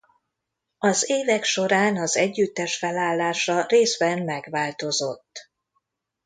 Az évek során az együttes felállása részben megváltozott.